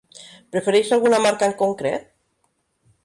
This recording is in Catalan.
Prefereix alguna marca en concret?